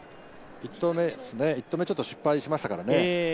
１投目ちょっと失敗しましたからね。